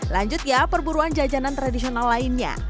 lanjut ya perburuan jajanan tradisional lainnya